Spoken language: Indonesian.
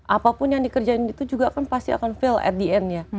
apapun yang dikerjain itu juga kan pasti akan fail at the end ya